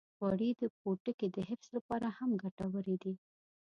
غوړې د پوټکي د حفظ لپاره هم ګټورې دي.